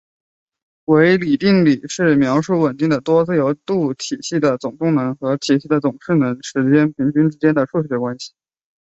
维里定理是描述稳定的多自由度体系的总动能和体系的总势能时间平均之间的数学关系。